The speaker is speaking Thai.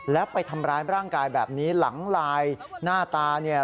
แล้วไปทำร้ายร่างกายแบบนี้หลังลายหน้าตาเนี่ย